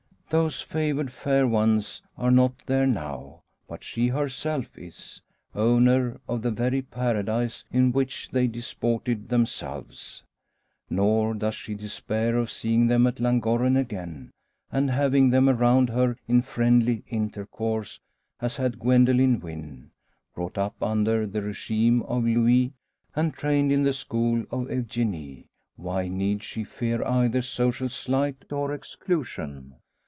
Those favoured fair ones are not there now, but she herself is; owner of the very Paradise in which they disported themselves! Nor does she despair of seeing them at Llangorren again, and having them around her in friendly intercourse, as had Gwendoline Wynn. Brought up under the regime of Louis and trained in the school of Eugenie, why need she fear either social slight or exclusion?